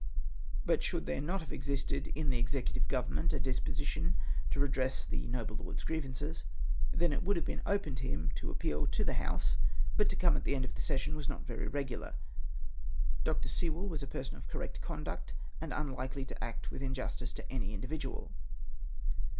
But should tliere not have existed, in the executive government, a disposition to redress the noble lord's griev MOTION OBJECTED TO BY THE FIRST LORD. '2 1 1 ances, then it would have been open for him to appeal to the House, Lut to come at the end of the session was not ver}^ regular. Dr. Sewell was a person of correct conduct, and un likely to act with injustice to any individual.